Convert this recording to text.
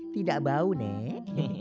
tidak bau nek